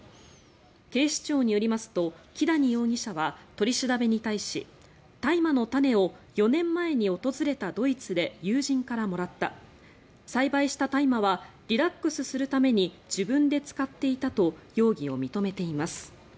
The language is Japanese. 警視庁によりますと木谷容疑者は取り調べに対し、大麻の種を４年前に訪れたドイツで友人からもらった栽培した大麻はリラックスするために自分で使っていたと容疑を認めています。